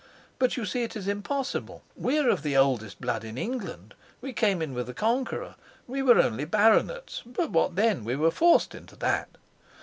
But you see it is impossible: we are of the oldest blood in England; we came in with the Conqueror; we were only baronets, but what then? we were forced into that.